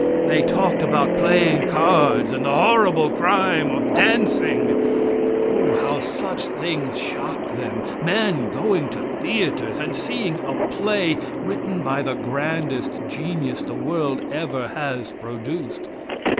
They talked about playing cards and the horrible crime of dancing! Oh, how such things shocked them; men going to theaters and seeing a play written by the grandest genius the world ever has produced.